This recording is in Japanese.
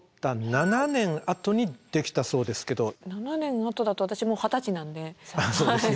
７年あとだと私もう二十歳なんで。